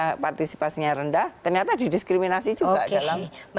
sudah partisipasinya rendah ternyata didiskriminasi juga